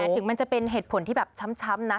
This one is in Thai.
ถึงมันจะเป็นเหตุผลที่แบบช้ำนะ